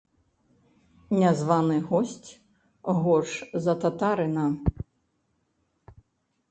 Нязваны госць горш за татарына.